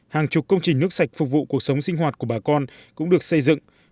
hàng chục công trình nước sạch phục vụ cuộc sống sinh hoạt của bà con cũng được xây dựng